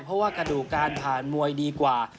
เพราะว่ากระดูกการผ่านมวยดีกว่า